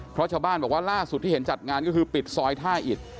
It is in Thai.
เพราะชาวบ้านบอกว่าล่าสุดที่เห็นจัดงานก็คือปิดซอยท่าอิด